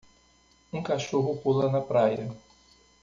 Um cachorro pula na praia.